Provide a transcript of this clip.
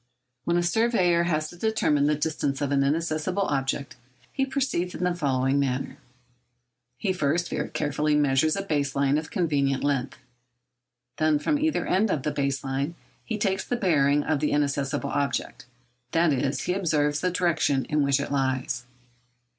When a surveyor has to determine the distance of an inaccessible object, he proceeds in the following manner. He first very carefully measures a base line of convenient length. Then from either end of the base line he takes the bearing of the inaccessible object—that is, he observes the direction in which it lies.